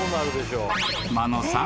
［真野さん。